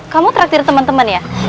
kamu traktir temen temen ya